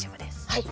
はい。